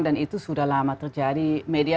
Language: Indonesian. dan itu sudah lama terjadi media